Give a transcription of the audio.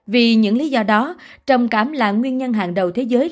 vì những lý do đó trầm cảm là nguyên nhân hàng đầu thế giới